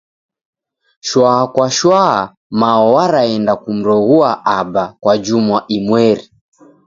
Shwa kwa shwa Mao waraenda kumroghua Aba kwa juma imweri.